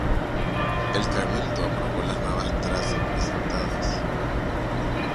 El Cabildo aprobó las nuevas trazas presentadas.